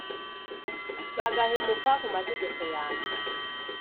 bagahemuka ku mategeko yanjye.